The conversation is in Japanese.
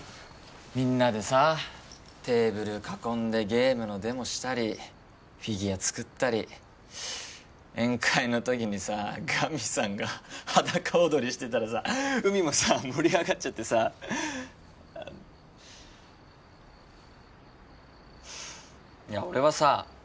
みんなでさテーブル囲んでゲームのデモしたりフィギュア作ったり宴会の時にさガミさんが裸踊りしてたらさ海もさ盛り上がっちゃってさあっいや俺はさ